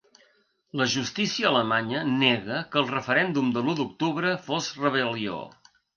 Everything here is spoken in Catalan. La justícia alemanya nega que el referèndum del u d'octubre fos rebel·lió.